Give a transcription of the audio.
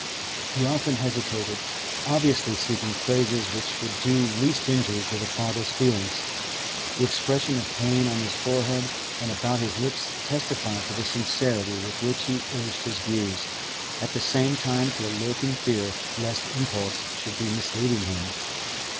He often hesitated, obviously seeking phrases which should do least injury to the father's feelings. The expression of pain on his forehead and about his lips testified to the sincerity with which he urged his views, at the same time to a lurking fear lest impulse should be misleading him.